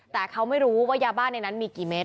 แต่เขาไม่รู้ว่ายาบ้านในนั้นมีกี่เมตร